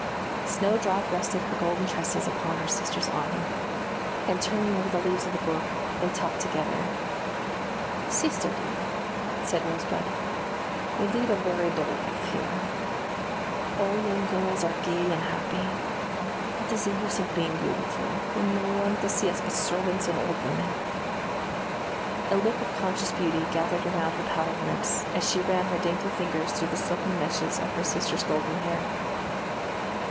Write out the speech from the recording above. Snowdrop rested her golden tresses upon her sister's arm, and, turning over the leaves of the book, they talked together. "Sister dear," said Rosebud, "we lead a very dull life here. All young girls are gay and happy. What is the use of being beautiful, with no one to see us but servants and old women?" A look of conscious beauty gathered around her pouting lips, as she ran her dainty fingers through the silken meshes of her sister's golden hair.